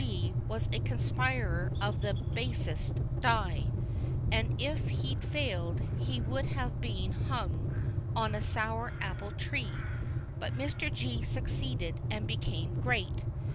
G. was a conspirator of the basist dye, and if he'd failed, he would have been hung on a sour apple tree. But Mr. G. succeeded and became great.